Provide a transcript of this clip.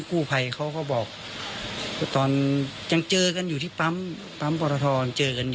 กู้ภัยเขาบอกตอนยังเจอกันอยู่ที่ปั๊มปถทร